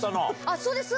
そうです。